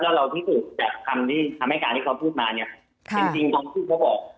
แล้วเราพิสูจน์จากคำที่ทำให้การที่เขาพูดมาจริงต้องพูดพบออก